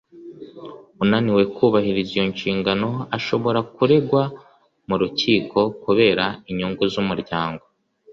unaniwe kubahiriza iyo nshingano ashobora kuregwa mu rukiko ku bera inyungu z'umuryango